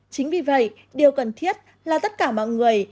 chính vì vậy điều cần thiết là tất cả mọi người